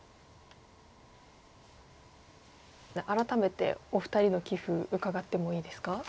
改めてお二人の棋風伺ってもいいですか？